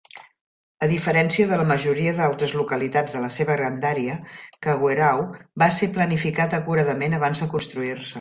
A diferència de la majoria d'altres localitats de la seva grandària, Kawerau va ser planificat acuradament abans de construir-se.